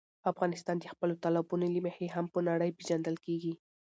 افغانستان د خپلو تالابونو له مخې هم په نړۍ پېژندل کېږي.